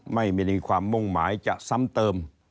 ไม่มีความมุ่งหมายจะซ้ำเติม